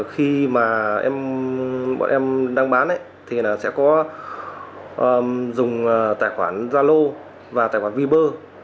khi mà bọn em đang bán thì sẽ có dùng tài khoản zalo và tài khoản viber